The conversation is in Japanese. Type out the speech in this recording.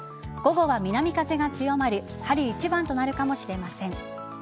午後は南風が強まり春一番となるかもしれません。